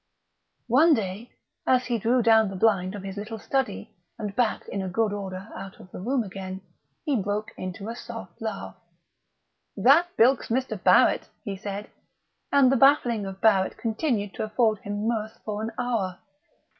One day, as he drew down the blind of his little study and backed in good order out of the room again, he broke into a soft laugh. "That bilks Mr. Barrett!" he said; and the baffling of Barrett continued to afford him mirth for an hour.